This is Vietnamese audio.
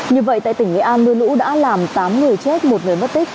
như vậy tại tỉnh nghệ an mưa lũ đã làm tám người chết một người mất tích